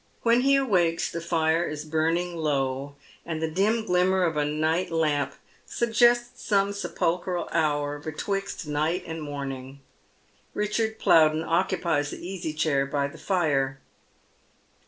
When he awakes the fire is burning low, and the dim glimmer of a night lamp suggests some sepulchral hour betwixt night and morning. Eichard Plowden occupies the easy chair by the fire.